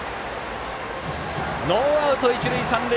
ノーアウト、一塁三塁。